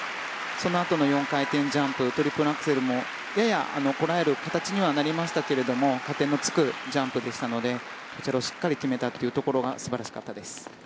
そのあとの４回転ジャンプトリプルアクセルもややこらえる形にはなりましたが加点のつくジャンプでしたのでこちらをしっかりと決めたところが素晴らしかったです。